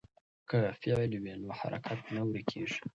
که فعل وي نو حرکت نه ورکېږي.